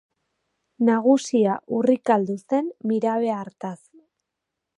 Nagusia urrikaldu zen mirabe hartaz.